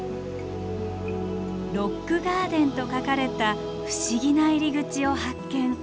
「ロックガーデン」と書かれた不思議な入り口を発見。